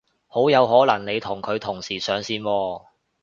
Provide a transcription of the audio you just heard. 好有可能你同佢同時上線喎